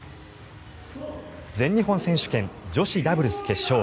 全日本選手権女子ダブルス決勝。